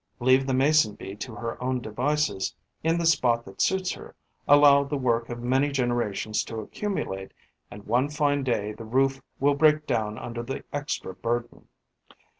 Leave the Mason bee to her own devices, in the spot that suits her; allow the work of many generations to accumulate; and, one fine day, the roof will break down under the extra burden.